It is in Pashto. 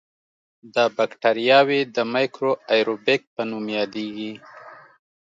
دا بکټریاوې د میکرو آئیروبیک په نوم یادیږي.